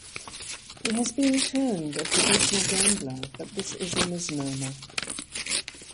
He has been termed a 'professional gambler', but this is a misnomer.